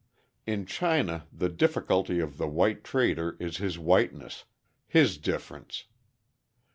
In China the difficulty of the white trader is his whiteness, his difference.